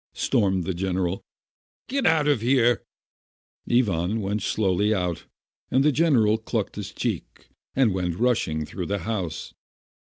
stormed the general. "Get out of here !" Ivan went slowly out, and the general clutched his cheek, and went rushing through the house.